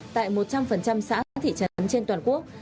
tại một trăm linh xã thị trấn trên toàn quốc